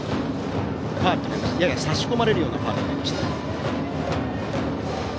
やや差し込まれるようなファウルとなりました。